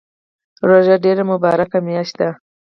روژه ډیره مبارکه میاشت ده